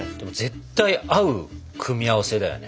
絶対合う組み合わせだよね。